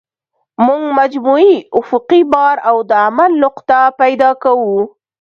موږ مجموعي افقي بار او د عمل نقطه پیدا کوو